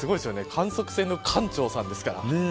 観測船の艦長さんですから。